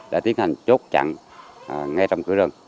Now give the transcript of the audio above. đã tiến hành chốt chặn ngay trong cửa rừng